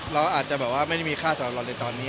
เราหรือจะไม่มีค่าสำหรับเราในตอนนี้